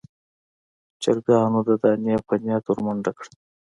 چرګانو د دانې په نيت ور منډه کړه.